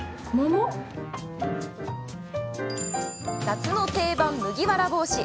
夏の定番・麦わら帽子。